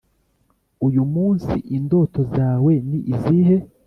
uyu munsi indoto zawe ni izihe?